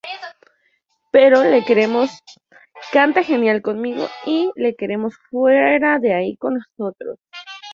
Pero le queremos, canta genial conmigo, y le queremos fuera de ahí con nosotros.